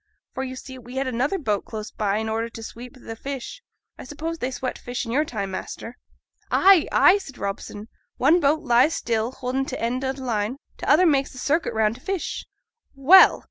For, you see, we had another boat close by in order to sweep th' fish. (I suppose they swept fish i' your time, master?)' 'Ay, ay!' said Robson; 'one boat lies still holding t' end o' t' line; t' other makes a circuit round t' fish.' 'Well!